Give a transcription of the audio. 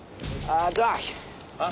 ああ。